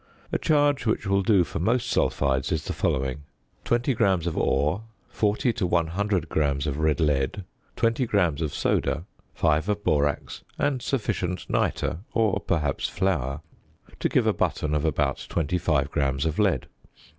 A charge which will do for most sulphides is the following: 20 grams of ore, 40 to 100 grams of red lead, 20 grams of "soda," 5 of borax, and sufficient nitre (or perhaps flour) to give a button of about 25 grams of lead.